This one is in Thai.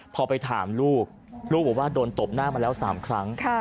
พอไปถามลูกลูกบอกว่าโดนตบหน้ามาแล้ว๓ครั้ง